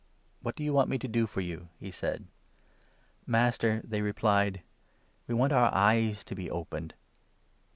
32 1 ' What do you want me to do for you ?" he said. " Master," they replied, " we want our eyes to be opened."